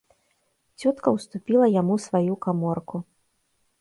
Цётка ўступіла яму сваю каморку.